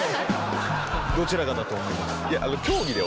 どちらかだと思います。